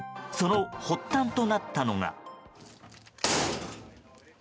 その発端となったのが。